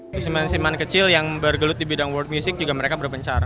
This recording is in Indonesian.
semen semen kecil yang bergelut di bidang world music juga mereka berbencar